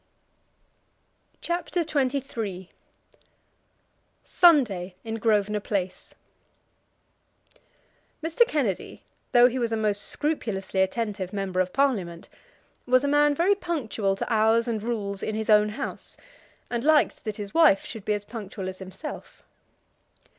CHAPTER XXIII Sunday in Grosvenor Place Mr. Kennedy, though he was a most scrupulously attentive member of Parliament, was a man very punctual to hours and rules in his own house, and liked that his wife should be as punctual as himself.